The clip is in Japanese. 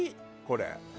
これ。